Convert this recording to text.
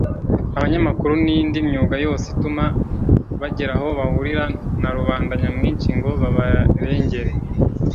abanyamakuru n’indi myuga yose ituma bagira aho bahurira na rubanda nyamwinshi ngo babarengere